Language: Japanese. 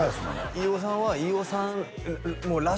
「飯尾さんは飯尾さんらしく」